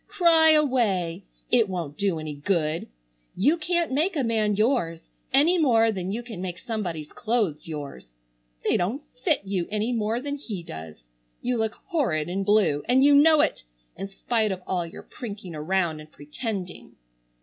Cry away. It won't do any good. You can't make a man yours, any more than you can make somebody's clothes yours. They don't fit you any more than he does. You look horrid in blue, and you know it, in spite of all your prinking around and pretending.